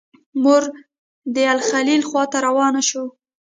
موږ د الخلیل خواته روان شوو.